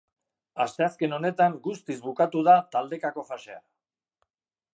Asteazken honetan guztiz bukatu da taldekako fasea.